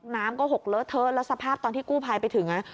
น้ำก็หกเลอะเทอะแล้วสภาพตอนที่กู้ภัยไปถึง